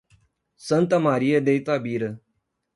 Santa Maria de Itabira